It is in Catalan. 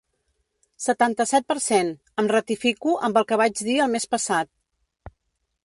Setanta-set per cent Em ratifico amb el que vaig dir el mes passat.